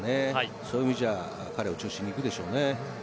そういう意味じゃあ彼を中心にいくでしょうね。